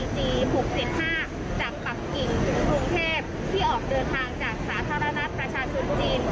ที่ออกเดินทางจากสาธารณสประชาชนจีน